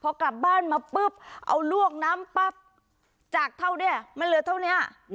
พอกลับบ้านมาปุ๊บเอาลวกน้ำปั๊บจากเท่านี้มันเหลือเท่านี้